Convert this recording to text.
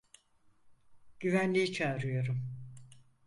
Güvenliği çağırıyorum.